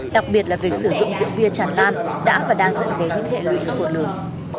đặc biệt là việc sử dụng rượu bia tràn lan đã và đang dẫn đến những hệ lụy khôn lường